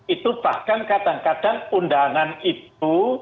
itu bahkan kadang kadang undangan itu